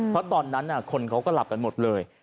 เพราะตอนนั้นคนเขาก็หลับกันหมดเลย